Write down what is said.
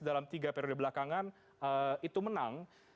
dalam tiga periode belakangan itu menang